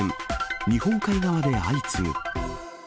日本海側で相次ぐ。